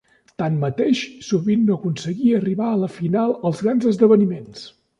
Tanmateix, sovint no aconseguia arribar a la final als grans esdeveniments.